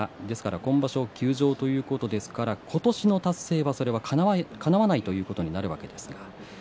今場所、休場ということですから今年の達成はかなわないということになります。